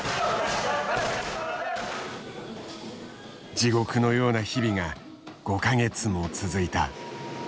地獄のような日々が５か月も続いた。